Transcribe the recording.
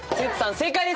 正解です。